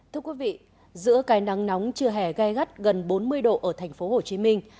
thưa quý vị giữa cái nắng nóng trưa hè gai gắt gần bốn mươi độ ở thành phố hồ chí minh